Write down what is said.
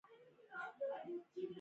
د ماش دانه د څه لپاره وکاروم؟